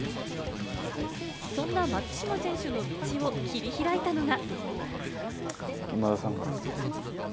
そんな松島選手の道を切り開いたのが。